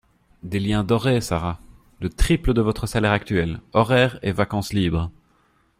Des liens dorés Sara. Le triple de votre salaire actuel, horaires et vacances libres